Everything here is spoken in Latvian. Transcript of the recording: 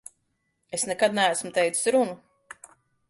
Es nekad neesmu teicis runu.